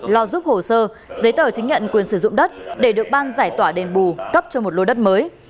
lo giúp hồ sơ giấy tờ chứng nhận quyền sử dụng đất để được ban giải tỏa đền bù cấp cho một lô đất mới